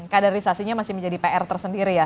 kaderisasinya masih menjadi pr tersendiri ya